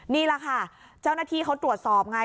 นี่แหละค่ะเจ้าหน้าที่เขาตรวจสอบไง